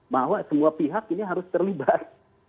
bahwa semua pihak ini harus terlibat